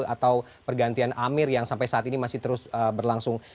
atau pergantian amir yang sampai saat ini masih terus berlangsung